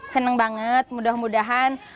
senang banget mudah mudahan